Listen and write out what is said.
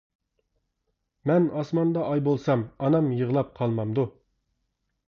مەن ئاسماندا ئاي بولسام، ئانام يىغلاپ قالمامدۇ.